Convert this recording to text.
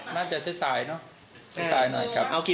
น่าจะเสียสายสายหน่อย